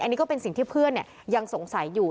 อันนี้ก็เป็นสิ่งที่เพื่อนยังสงสัยอยู่